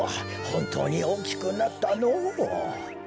ほんとうにおおきくなったのう。